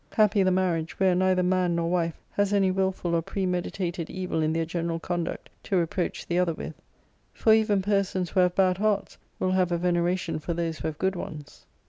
Happy the marriage, where neither man nor wife has any wilful or premeditated evil in their general conduct to reproach the other with! for even persons who have bad hearts will have a veneration for those who have good ones.